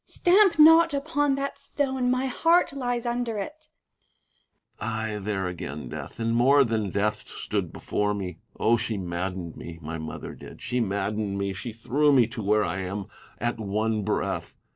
Stamp not upon that stone : my heart lies under it. Tiberius. Ay, there again death, and more than death, stood before me. Oh, she maddened me, my mother did, she maddened me — she threw me to where I am at one breath.